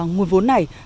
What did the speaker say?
nguồn vốn này